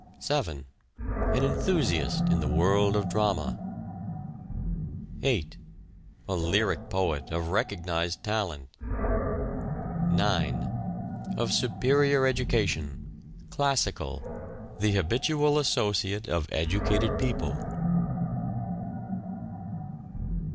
7. An enthusiast in the world of drama. 8. A lyric poet of recognized talent. 9. Of superior education — classical — the habitual associate of educated people.